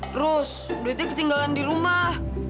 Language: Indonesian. terus berarti ketinggalan di rumah